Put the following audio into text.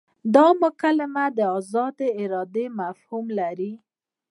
دا مکالمه د ازادې ارادې مفهوم لري.